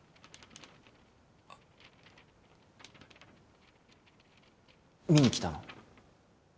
あっ見に来たの？